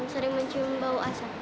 sering mencium bau asap